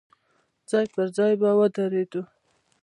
ځای پر ځای به ودرېدو.